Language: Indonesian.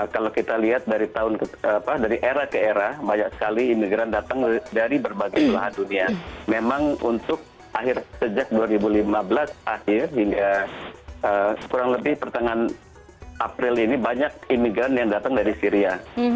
kalau kita lihat dari era ke era banyak sekali imigran datang dari berbagai belahan dunia memang untuk akhir sejak dua ribu lima belas akhir hingga kurang lebih pertengahan april ini banyak imigran yang datang dari syria